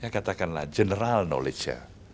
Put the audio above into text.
katakanlah general knowledge nya